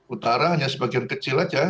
utara hanya sebagian kecil saja